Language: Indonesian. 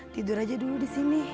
tidur aja dulu disini